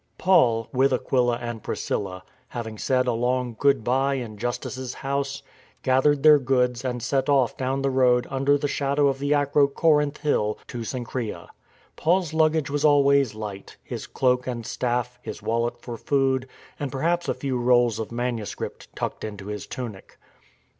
^ Paul, with Aquila and Priscilla, having said a long " good bye " in Justus' house, gathered their goods and set off down the road under the shadow of the Aero Corinth hill to Cenchrese. Paul's luggage was always light — his cloak and staff, his wallet for food, and perhaps a few rolls of manuscript tucked into his tunic.